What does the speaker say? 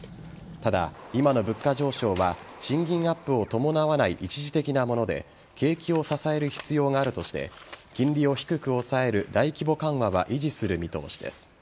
ただ、今の物価上昇は賃金アップを伴わない一時的なもので景気を支える必要があるとして金利を低く抑える大規模緩和は維持する見通しです。